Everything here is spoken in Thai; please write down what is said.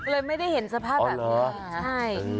เลยไม่ได้เห็นสภาพแบบนี้ใช่